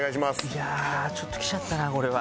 いやあちょっときちゃったなこれは。